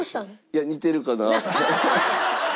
似てるかなって。